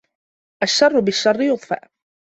الشَّرَّ بِالشَّرِّ يُطْفَأُ